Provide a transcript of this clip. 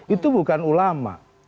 itu bukan ulama